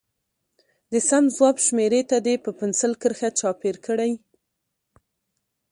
د سم ځواب شمیرې ته دې په پنسل کرښه چاپېر کړي.